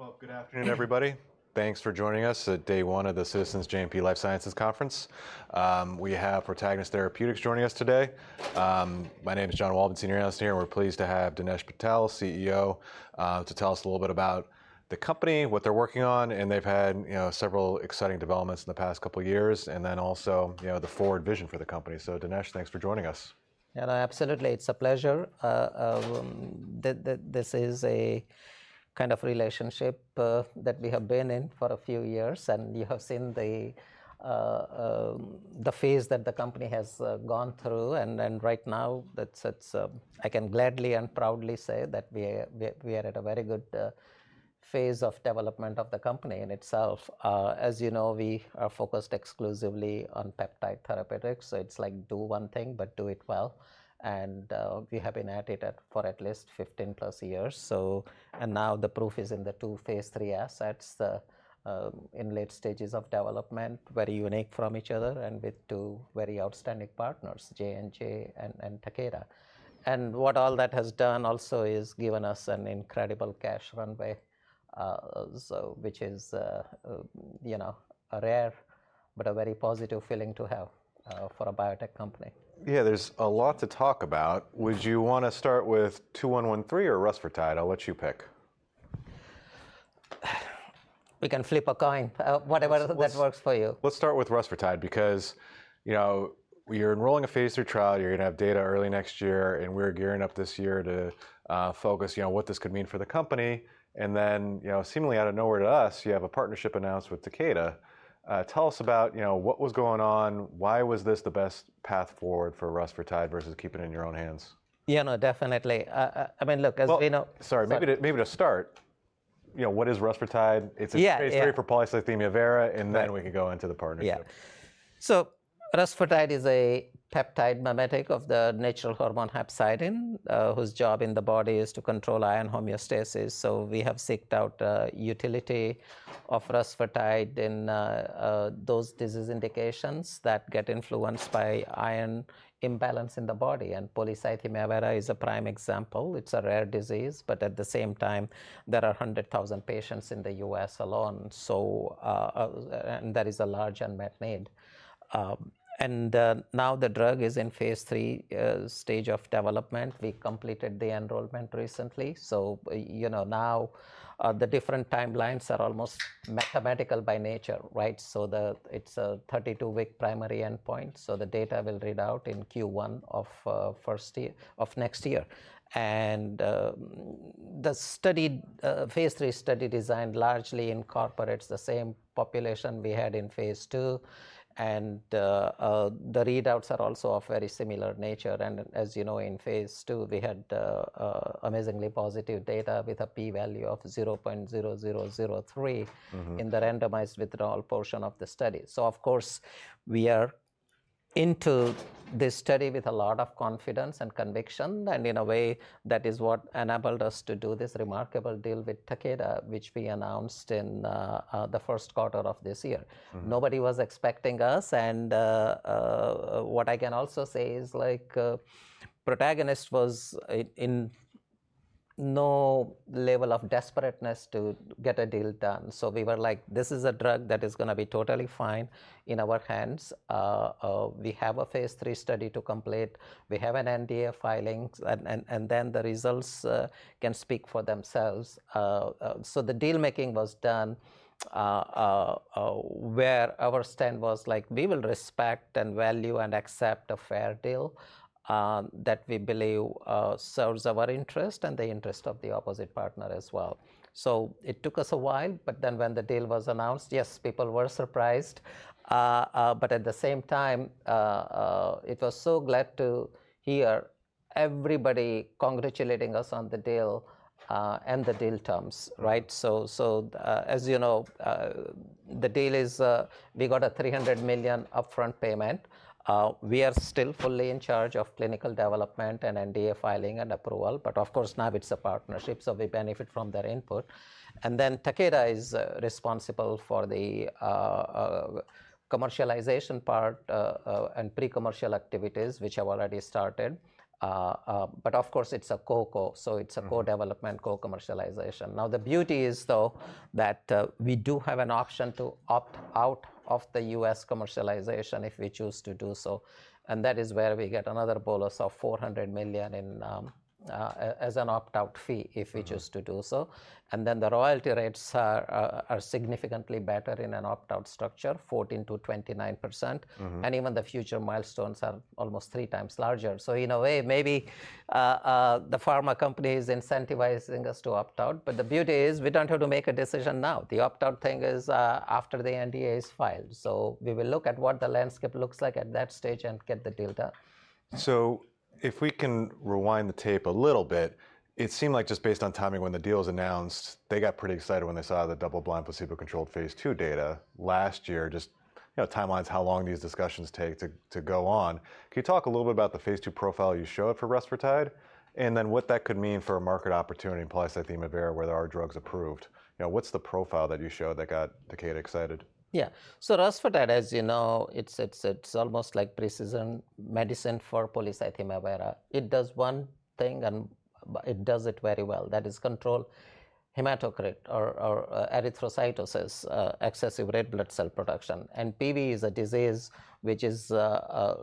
Well, good afternoon, everybody. Thanks for joining us at day one of the Citizens JMP Life Sciences Conference. We have Protagonist Therapeutics joining us today. My name is John Walton, Senior Analyst here, and we're pleased to have Dinesh Patel, CEO, to tell us a little bit about the company, what they're working on, and they've had, you know, several exciting developments in the past couple of years, and then also, you know, the forward vision for the company. So, Dinesh, thanks for joining us. Yeah, no, absolutely. It's a pleasure. This is a kind of relationship that we have been in for a few years, and you have seen the phase that the company has gone through. And right now, that's, I can gladly and proudly say that we are at a very good phase of development of the company in itself. As you know, we are focused exclusively on peptide therapeutics, so it's like do one thing, but do it well. And we have been at it for at least 15+ years, so and now the proof is in the two phase III assets, the in late stages of development, very unique from each other, and with two very outstanding partners, J&J and Takeda. What all that has done also is given us an incredible cash runway, so which is, you know, a rare but a very positive feeling to have, for a biotech company. Yeah, there's a lot to talk about. Would you wanna start with 2113 or Rusfertide? I'll let you pick. We can flip a coin. Whatever that works for you. Let's start with Rusfertide because, you know, you're enrolling a phase III trial, you're gonna have data early next year, and we're gearing up this year to focus, you know, what this could mean for the company. And then, you know, seemingly out of nowhere to us, you have a partnership announced with Takeda. Tell us about, you know, what was going on, why was this the best path forward for Rusfertide versus keeping it in your own hands? Yeah, no, definitely. I mean, look, as we know. Well, sorry, maybe to start, you know, what is Rusfertide? It's a phase III for polycythemia vera, and then we can go into the partnership. Yeah. So Rusfertide is a peptide mimetic of the natural hormone hepcidin, whose job in the body is to control iron homeostasis. So we have sought out a utility of Rusfertide in those disease indications that get influenced by iron imbalance in the body, and polycythemia vera is a prime example. It's a rare disease, but at the same time, there are 100,000 patients in the U.S. alone, so and there is a large unmet need. Now the drug is in phase III stage of development. We completed the enrollment recently, so you know, now the different timelines are almost mathematical by nature, right? So it's a 32-week primary endpoint, so the data will read out in Q1 of first year of next year. And the study, phase III study designed largely incorporates the same population we had in phase II, and the readouts are also of very similar nature. And as you know, in phase II, we had amazingly positive data with a P-value of 0.0003 in the randomized withdrawal portion of the study. So, of course, we are into this study with a lot of confidence and conviction, and in a way, that is what enabled us to do this remarkable deal with Takeda, which we announced in the first quarter of this year. Nobody was expecting us, and what I can also say is, like, Protagonist was in no level of desperateness to get a deal done. So we were like, "This is a drug that is gonna be totally fine in our hands. We have a phase III study to complete. We have an NDA filing, and then the results can speak for themselves." So the dealmaking was done, where our stand was like, "We will respect and value and accept a fair deal, that we believe serves our interest and the interest of the opposite partner as well." So it took us a while, but then when the deal was announced, yes, people were surprised, but at the same time, it was so glad to hear everybody congratulating us on the deal, and the deal terms, right? So, as you know, the deal is, we got a $300 million upfront payment. We are still fully in charge of clinical development and NDA filing and approval, but of course, now it's a partnership, so we benefit from their input. And then Takeda is responsible for the commercialization part, and pre-commercial activities, which have already started. But of course, it's a co-co, so it's a co-development, co-commercialization. Now, the beauty is, though, that, we do have an option to opt out of the U.S. commercialization if we choose to do so, and that is where we get another bolus of $400 million in, as an opt-out fee if we choose to do so. And then the royalty rates are, are significantly better in an opt-out structure, 14%-29%, and even the future milestones are almost 3x larger. So in a way, maybe, the pharma company is incentivizing us to opt out, but the beauty is we don't have to make a decision now. The opt-out thing is, after the NDA is filed, so we will look at what the landscape looks like at that stage and get the deal done. If we can rewind the tape a little bit, it seemed like just based on timing when the deal was announced, they got pretty excited when they saw the double-blind placebo-controlled phase II data last year, just, you know, timelines, how long these discussions take to, to go on. Can you talk a little bit about the phase II profile you showed for Rusfertide and then what that could mean for a market opportunity, polycythemia vera, where there are drugs approved? You know, what's the profile that you showed that got Takeda excited? Yeah. So Rusfertide, as you know, it's almost like precision medicine for polycythemia vera. It does one thing, and it does it very well. That is control hematocrit or erythrocytosis, excessive red blood cell production. And PV is a disease which is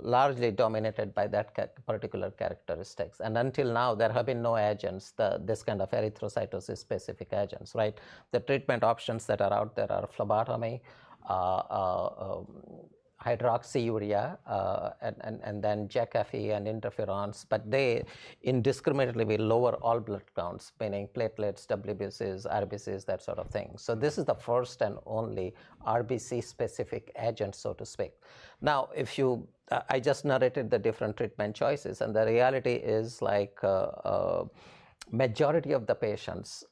largely dominated by that particular characteristics. And until now, there have been no agents of this kind of erythrocytosis-specific agents, right? The treatment options that are out there are phlebotomy, hydroxyurea, and then Jakafi and interferons, but they indiscriminately will lower all blood counts, meaning platelets, WBCs, RBCs, that sort of thing. So this is the first and only RBC-specific agent, so to speak. Now, I just narrated the different treatment choices, and the reality is, like, majority of the patients,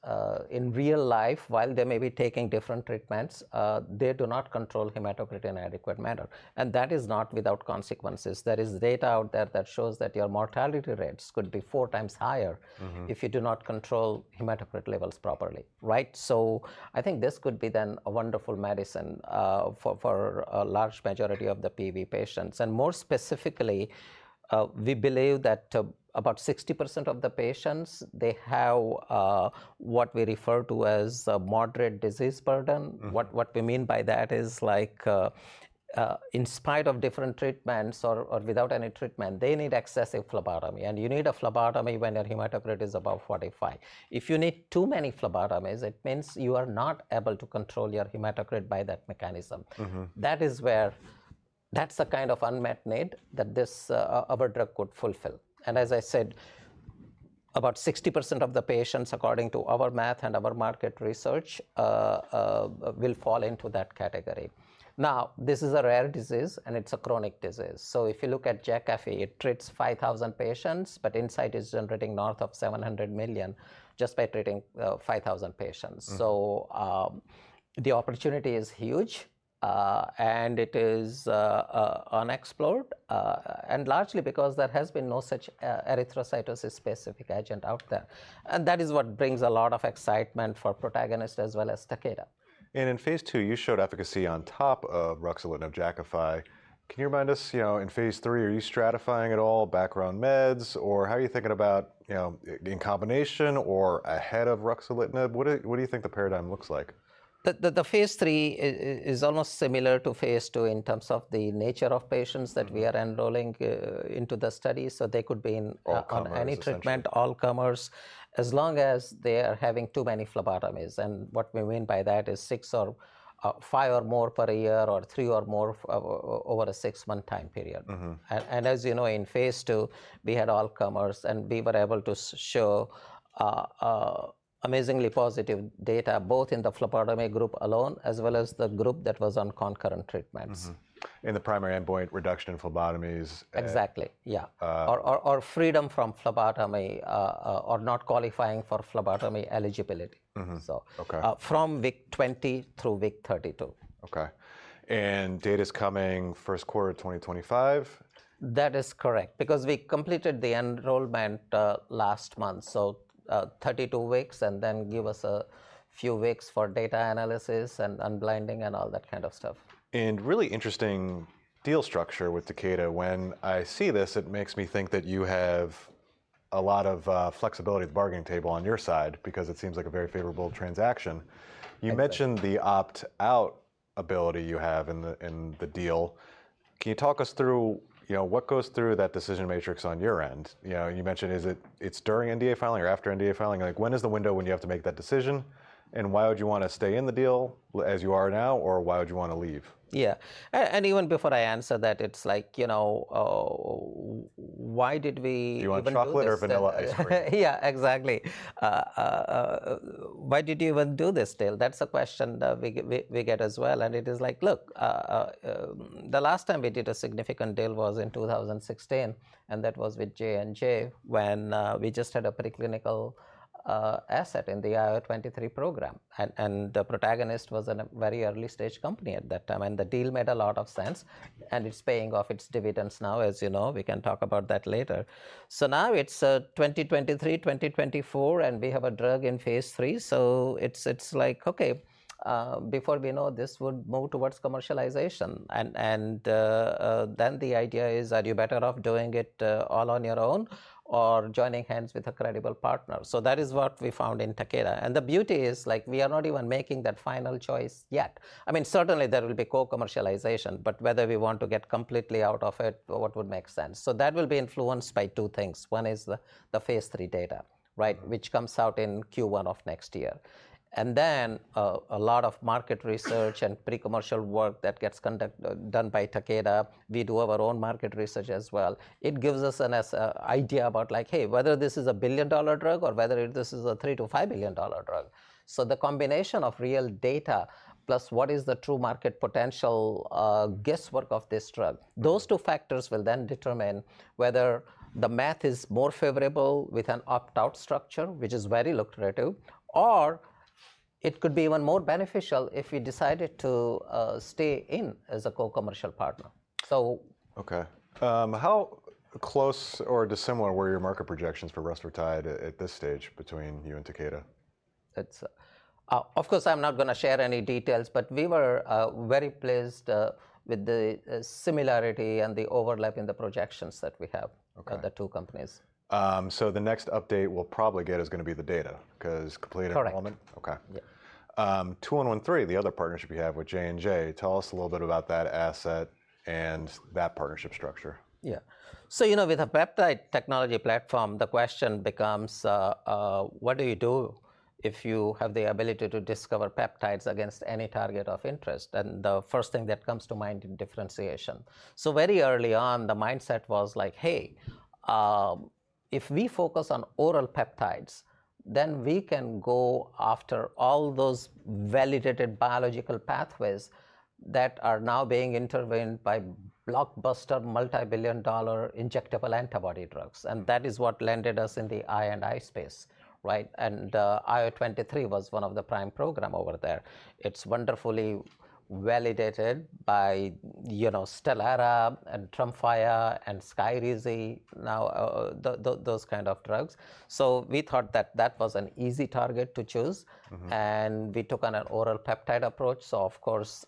in real life, while they may be taking different treatments, they do not control hematocrit in an adequate manner, and that is not without consequences. There is data out there that shows that your mortality rates could be 4x higher if you do not control hematocrit levels properly, right? So I think this could be then a wonderful medicine, for, for a large majority of the PV patients. And more specifically, we believe that, about 60% of the patients, they have, what we refer to as a moderate disease burden. What, what we mean by that is, like, in spite of different treatments or, or without any treatment, they need excessive phlebotomy, and you need a phlebotomy when your hematocrit is above 45. If you need too many phlebotomies, it means you are not able to control your hematocrit by that mechanism. That is where that's a kind of unmet need that this, our drug could fulfill. And as I said, about 60% of the patients, according to our math and our market research, will fall into that category. Now, this is a rare disease, and it's a chronic disease. So if you look at Jakafi, it treats 5,000 patients, but Incyte is generating north of $700 million just by treating 5,000 patients. So, the opportunity is huge, and it is, unexplored, and largely because there has been no such, erythrocytosis-specific agent out there. And that is what brings a lot of excitement for Protagonist as well as Takeda. In phase II, you showed efficacy on top of ruxolitinib/Jakafi. Can you remind us, you know, in phase III, are you stratifying at all, background meds, or how are you thinking about, you know, in combination or ahead of ruxolitinib? What do you think the paradigm looks like? The phase III is almost similar to phase II in terms of the nature of patients that we are enrolling into the study, so they could be in all-comers. All-comers, yes. Any treatment, all-comers, as long as they are having too many phlebotomies. And what we mean by that is six or five or more per year or three or more over a six-month time period. And as you know, in phase II, we had all-comers, and we were able to show amazingly positive data both in the phlebotomy group alone as well as the group that was on concurrent treatments. In the primary endpoint, reduction in phlebotomies and. Exactly, yeah. Or freedom from phlebotomy, or not qualifying for phlebotomy eligibility, so. Okay. from week 20 through week 32. Okay. And data's coming first quarter of 2025? That is correct because we completed the enrollment last month, so 32 weeks, and then give us a few weeks for data analysis and unblinding and all that kind of stuff. Really interesting deal structure with Takeda. When I see this, it makes me think that you have a lot of flexibility at the bargaining table on your side because it seems like a very favorable transaction. You mentioned the opt-out ability you have in the deal. Can you talk us through, you know, what goes through that decision matrix on your end? You know, you mentioned, is it during NDA filing or after NDA filing? Like, when is the window when you have to make that decision, and why would you wanna stay in the deal as you are now, or why would you wanna leave? Yeah. And even before I answer that, it's like, you know, why did we do this? Do you want chocolate or vanilla ice cream? Yeah, exactly. Why did you even do this deal? That's a question we get as well, and it is like, look, the last time we did a significant deal was in 2016, and that was with J&J when we just had a preclinical asset in the IL-23 program, and the Protagonist was a very early-stage company at that time, and the deal made a lot of sense, and it's paying off its dividends now, as you know. We can talk about that later. So now it's 2023, 2024, and we have a drug in phase III, so it's like, okay, before we know, this would move towards commercialization. Then the idea is, are you better off doing it all on your own or joining hands with a credible partner? So that is what we found in Takeda. The beauty is, like, we are not even making that final choice yet. I mean, certainly, there will be co-commercialization, but whether we want to get completely out of it, what would make sense? That will be influenced by two things. One is the phase III data, right, which comes out in Q1 of next year. Then, a lot of market research and pre-commercial work that gets conducted, done by Takeda, we do our own market research as well. It gives us an idea about, like, hey, whether this is a billion-dollar drug or whether this is a $3 billion-$5 billion drug. So the combination of real data plus what is the true market potential, guesswork of this drug, those two factors will then determine whether the math is more favorable with an opt-out structure, which is very lucrative, or it could be even more beneficial if we decided to stay in as a co-commercial partner. So. Okay. How close or dissimilar were your market projections for Rusfertide at this stage between you and Takeda? It's, of course, I'm not gonna share any details, but we were very pleased with the similarity and the overlap in the projections that we have at the two companies. Okay. So the next update we'll probably get is gonna be the data 'cause completed enrollment. Correct. Okay. 2113, the other partnership you have with J&J, tell us a little bit about that asset and that partnership structure? Yeah. So, you know, with a peptide technology platform, the question becomes, what do you do if you have the ability to discover peptides against any target of interest? And the first thing that comes to mind in differentiation. So very early on, the mindset was like, hey, if we focus on oral peptides, then we can go after all those validated biological pathways that are now being intervened by blockbuster, multibillion-dollar injectable antibody drugs. And that is what landed us in the IL space, right? And, IL-23 was one of the prime programs over there. It's wonderfully validated by, you know, STELERA and TREMFYA and SKYRIZI now, those kind of drugs. So we thought that that was an easy target to choose, and we took on an oral peptide approach. So, of course,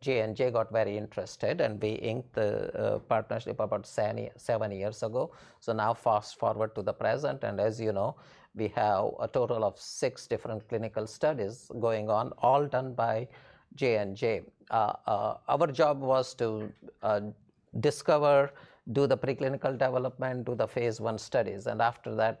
J&J got very interested, and we inked the partnership about seven years ago. So now, fast forward to the present, and as you know, we have a total of six different clinical studies going on, all done by J&J. Our job was to discover, do the preclinical development, do the phase I studies, and after that,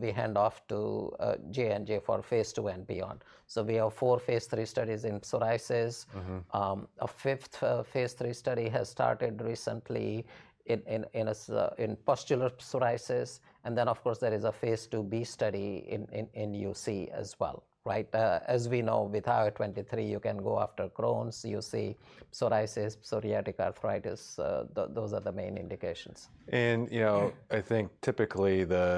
we hand off to J&J for phase II and beyond. So we have four phase III studies in psoriasis. A fifth phase III study has started recently in pustular psoriasis, and then, of course, there is a phase II-B study in UC as well, right? As we know, with IL-23, you can go after Crohn's, UC, psoriasis, psoriatic arthritis. Those are the main indications. You know, I think typically, the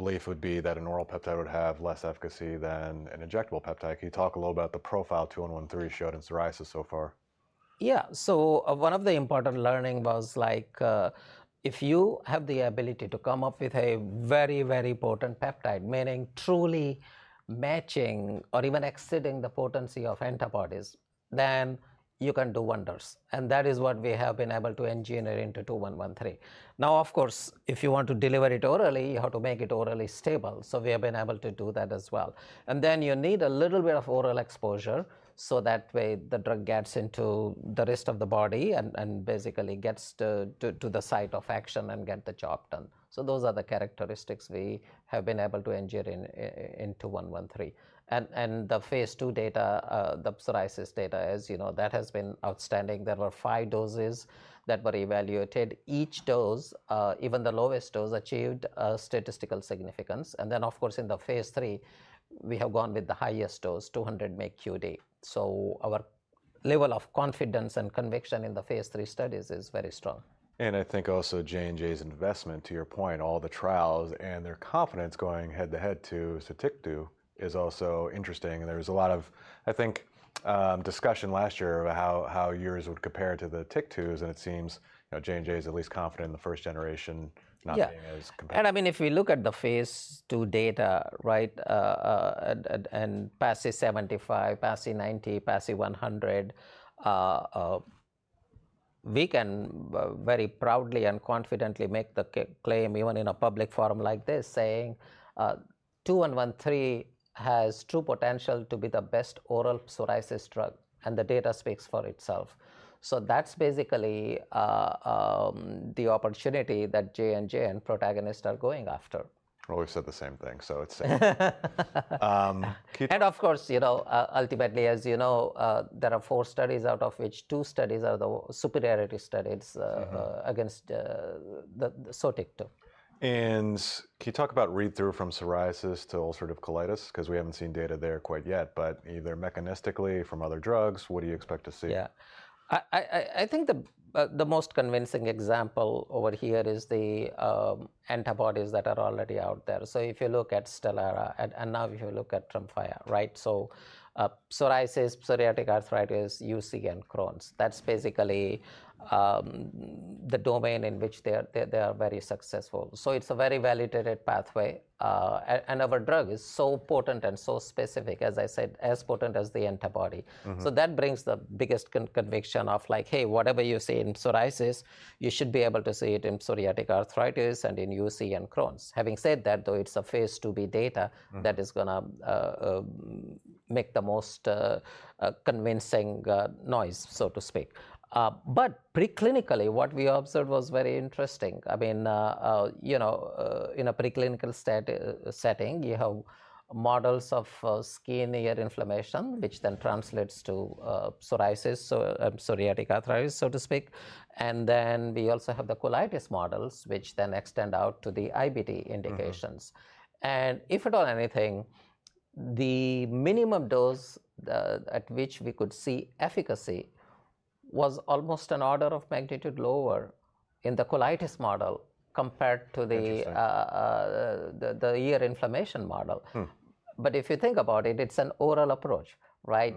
belief would be that an oral peptide would have less efficacy than an injectable peptide. Can you talk a little about the profile 2113 showed in psoriasis so far? Yeah. So one of the important learnings was, like, if you have the ability to come up with a very, very potent peptide, meaning truly matching or even exceeding the potency of antibodies, then you can do wonders. And that is what we have been able to engineer into JNJ-2113. Now, of course, if you want to deliver it orally, you have to make it orally stable, so we have been able to do that as well. And then you need a little bit of oral exposure so that way the drug gets into the rest of the body and, and basically gets to, to, to the site of action and get the job done. So those are the characteristics we have been able to engineer in, in JNJ-2113. And, and the phase II data, the psoriasis data, as you know, that has been outstanding. There were five doses that were evaluated. Each dose, even the lowest dose, achieved statistical significance. And then, of course, in the phase III, we have gone with the highest dose, 200 mEq/d. So our level of confidence and conviction in the phase III studies is very strong. I think also J&J's investment, to your point, all the trials and their confidence going head-to-head to SOTYKTU is also interesting. There was a lot of, I think, discussion last year about how yours would compare to the SOTYKTU, and it seems, you know, J&J's at least confident in the first generation, not being as competitive. Yeah. And I mean, if we look at the phase II data, right, and PASI 75, PASI 90, PASI 100, we can, very proudly and confidently make the claim even in a public forum like this saying, 2113 has true potential to be the best oral psoriasis drug, and the data speaks for itself. So that's basically, the opportunity that J&J and Protagonist are going after. Always said the same thing, so it's safe. Can you talk? Of course, you know, ultimately, as you know, there are four studies, out of which two studies are the superiority studies against the SOTYKTU. Can you talk about read-through from psoriasis to ulcerative colitis 'cause we haven't seen data there quite yet, but either mechanistically from other drugs, what do you expect to see? Yeah. I think the most convincing example over here is the antibodies that are already out there. So if you look at STELERA and now if you look at TREMFYA, right, so psoriasis, psoriatic arthritis, UC, and Crohn's, that's basically the domain in which they are very successful. So it's a very validated pathway, and our drug is so potent and so specific, as I said, as potent as the antibody. So that brings the biggest conviction of, like, hey, whatever you see in psoriasis, you should be able to see it in psoriatic arthritis and in UC and Crohn's. Having said that, though, it's a phase II-B data that is gonna make the most convincing noise, so to speak. But preclinically, what we observed was very interesting. I mean, you know, in a preclinical setting, you have models of skin ear inflammation, which then translates to psoriasis, so psoriatic arthritis, so to speak. And then we also have the colitis models, which then extend out to the IBD indications. And if at all anything, the minimum dose at which we could see efficacy was almost an order of magnitude lower in the colitis model compared to the ear inflammation model. But if you think about it, it's an oral approach, right?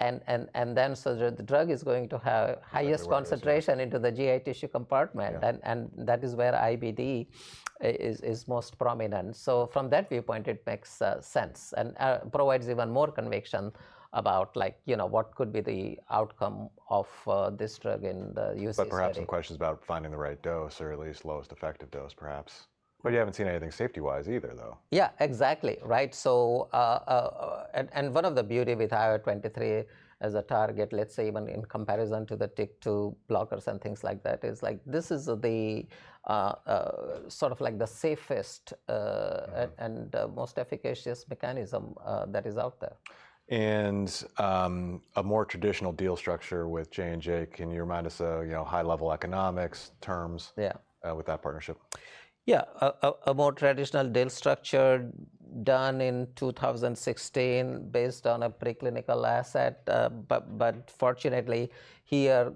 And then so the drug is going to have highest concentration into the GI tissue compartment, and that is where IBD is most prominent. So from that viewpoint, it makes sense and provides even more conviction about, like, you know, what could be the outcome of this drug in the UC system. But perhaps some questions about finding the right dose or at least lowest effective dose, perhaps. But you haven't seen anything safety-wise either, though. Yeah, exactly, right? So, one of the beauties with IL-23 as a target, let's say, even in comparison to the SOTYKTU blockers and things like that, is, like, this is the, sort of like the safest, and most efficacious mechanism that is out there. A more traditional deal structure with J&J, can you remind us of, you know, high-level economics terms? Yeah. with that partnership? Yeah. A more traditional deal structure done in 2016 based on a preclinical asset. But fortunately, here,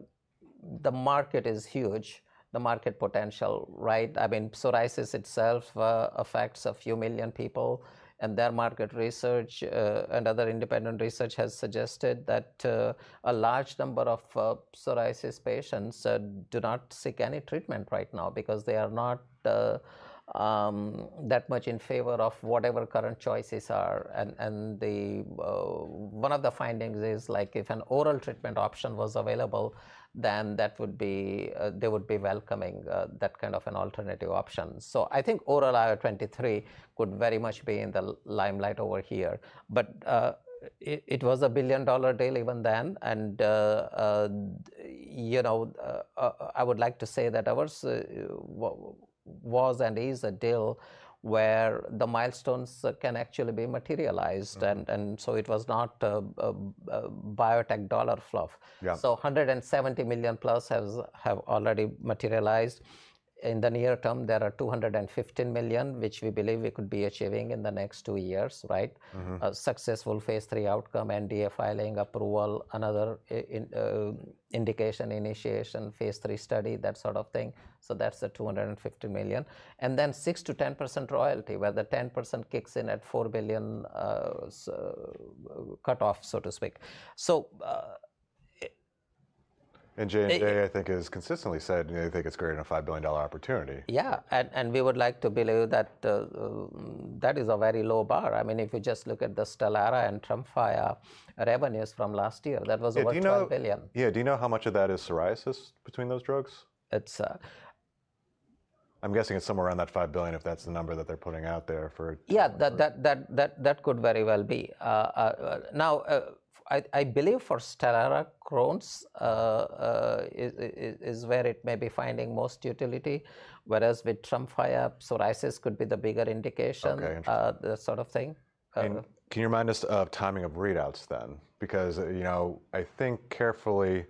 the market is huge, the market potential, right? I mean, psoriasis itself affects a few million people, and their market research, and other independent research has suggested that a large number of psoriasis patients do not seek any treatment right now because they are not that much in favor of whatever current choices are. And the one of the findings is, like, if an oral treatment option was available, then that would be they would be welcoming that kind of an alternative option. So I think oral IL-23 could very much be in the limelight over here. But it was a billion-dollar deal even then, and you know, I would like to say that ours was and is a deal where the milestones can actually be materialized. And so it was not a biotech dollar fluff. Yeah. So $170 million-plus have already materialized. In the near term, there are $215 million, which we believe we could be achieving in the next two years, right? A successful phase III outcome, NDA filing, approval, another indication initiation, phase III study, that sort of thing. So that's the $215 million. And then 6%-10% royalty, where the 10% kicks in at $4 billion sales cutoff, so to speak. So, J&J, I think, has consistently said, you know, they think it's greater than a $5 billion opportunity. Yeah. We would like to believe that is a very low bar. I mean, if you just look at the STELERA and TREMFYA revenues from last year, that was over $5 billion. If you know, yeah, do you know how much of that is psoriasis between those drugs? It's, I'm guessing it's somewhere around that $5 billion if that's the number that they're putting out there for. Yeah, that could very well be. Now, I believe for STELERA, Crohn's is where it may be finding most utility, whereas with TREMFYA, psoriasis could be the bigger indication. Okay, interesting. that sort of thing. Can you remind us of timing of readouts then because, you know, I think carefully,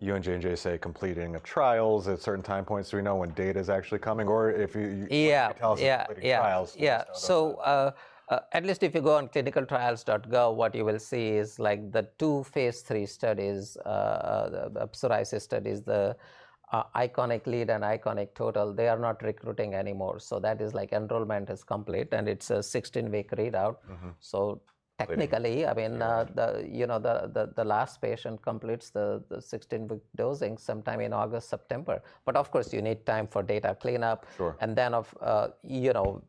you and J&J say completing of trials at certain time points. Do we know when data's actually coming or if you, you can tell us. Yeah. Of completing trials and so on? Yeah. So, at least if you go on clinicaltrials.gov, what you will see is, like, the two phase III studies, the psoriasis studies, the ICONIC LEAD and ICONIC TOTAL, they are not recruiting anymore. So that is, like, enrollment is complete, and it's a 16-week readout. So technically, I mean, you know, the last patient completes the 16-week dosing sometime in August, September. But of course, you need time for data cleanup. Sure. And then, of, you know,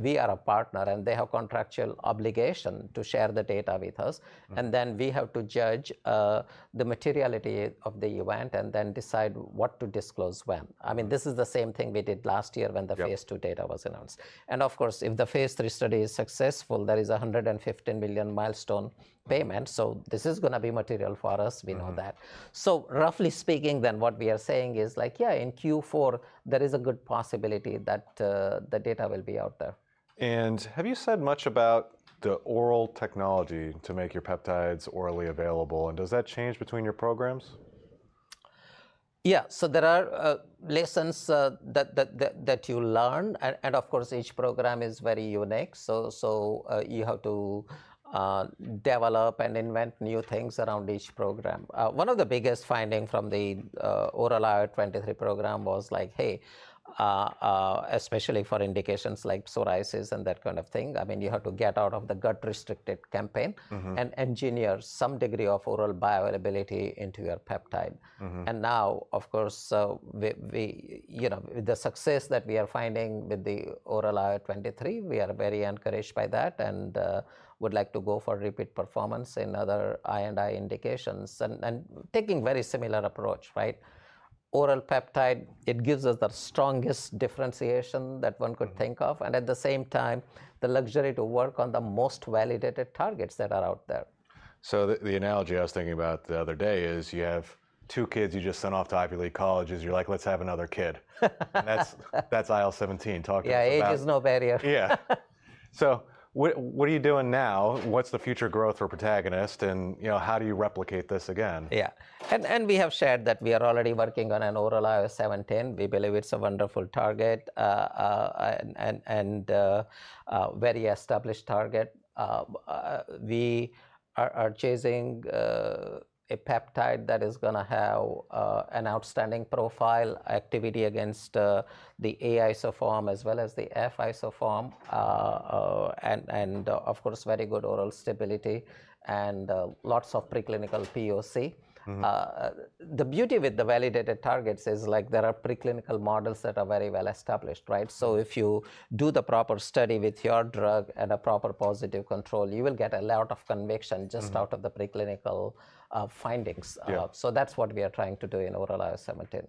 we are a partner, and they have contractual obligation to share the data with us. And then we have to judge, the materiality of the event and then decide what to disclose when. I mean, this is the same thing we did last year when the phase II data was announced. And of course, if the phase III study is successful, there is a $115 million milestone payment, so this is gonna be material for us. We know that. So roughly speaking then, what we are saying is, like, yeah, in Q4, there is a good possibility that, the data will be out there. Have you said much about the oral technology to make your peptides orally available, and does that change between your programs? Yeah. So there are lessons that you learn. And of course, each program is very unique, so you have to develop and invent new things around each program. One of the biggest findings from the oral IL-23 program was, like, hey, especially for indications like psoriasis and that kind of thing, I mean, you have to get out of the gut-restricted campaign and engineer some degree of oral bioavailability into your peptide. And now, of course, we you know, with the success that we are finding with the oral IL-23, we are very encouraged by that and would like to go for repeat performance in other I&I indications and taking a very similar approach, right? Oral peptide, it gives us the strongest differentiation that one could think of, and at the same time, the luxury to work on the most validated targets that are out there. So the analogy I was thinking about the other day is you have two kids you just sent off to ivy league colleges. You're like, "Let's have another kid." And that's IL-17 talking to the battery. Yeah. Age is no barrier. Yeah. So what, what are you doing now? What's the future growth for Protagonist, and, you know, how do you replicate this again? Yeah. And we have shared that we are already working on an oral IL-17. We believe it's a wonderful target, and very established target. We are chasing a peptide that is gonna have an outstanding profile activity against the A isoform as well as the F isoform, and of course, very good oral stability and lots of preclinical POC. The beauty with the validated targets is, like, there are preclinical models that are very well established, right? So if you do the proper study with your drug and a proper positive control, you will get a lot of conviction just out of the preclinical findings. So that's what we are trying to do in oral IL-17.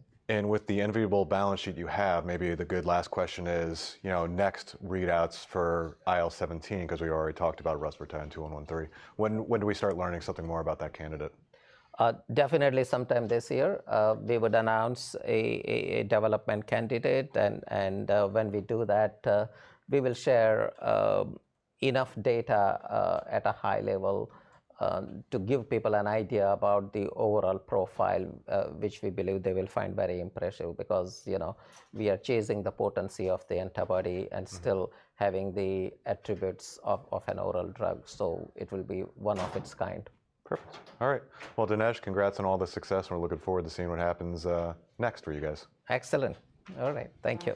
With the enviable balance sheet you have, maybe the good last question is, you know, next readouts for IL-17 'cause we already talked about Rusfertide and 2113. When, when do we start learning something more about that candidate? Definitely sometime this year. We would announce a development candidate, and when we do that, we will share enough data, at a high level, to give people an idea about the overall profile, which we believe they will find very impressive because, you know, we are chasing the potency of the antibody and still having the attributes of an oral drug, so it will be one of its kind. Perfect. All right. Well, Dinesh, congrats on all the success, and we're looking forward to seeing what happens next for you guys. Excellent. All right. Thank you.